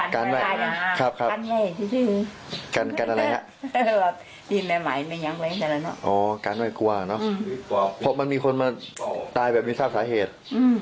การไหว้กลัวอ่ะเพราะมันมีคนมาตายแบบมีทราบสาเหตุ